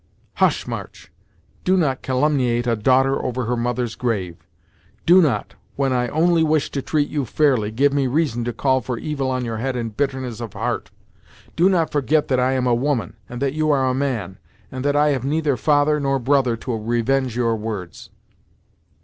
"Hush, March; do not calumniate a daughter over her mother's grave! Do not, when I only wish to treat you fairly, give me reason to call for evil on your head in bitterness of heart! Do not forget that I am a woman, and that you are a man; and that I have neither father, nor brother, to revenge your words!"